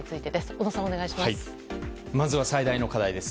小野さん、お願いします。